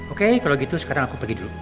oke kalau gitu sekarang aku pergi dulu